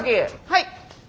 はい。